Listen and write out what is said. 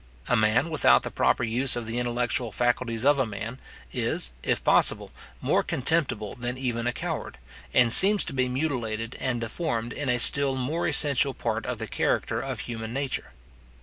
A man without the proper use of the intellectual faculties of a man, is, if possible, more contemptible than even a coward, and seems to be mutilated and deformed in a still more essential part of the character of human nature.